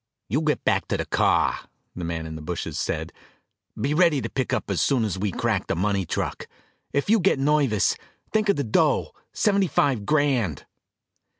"You get back to the car," the man in the bushes said. "Be ready to pick us up as soon as we crack the money truck. If you get nervous, think of the dough. Seventy five grand!"